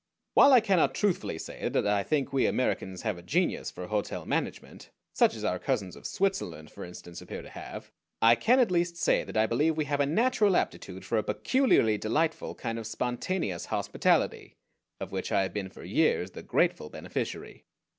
While I cannot truthfully say that I think we Americans have a genius for hotel management, such as our cousins of Switzerland, for instance, appear to have, I can at least say that I believe we have a natural aptitude for a peculiarly delightful kind of spontaneous hospitality, of which I have been for years the grateful beneficiary.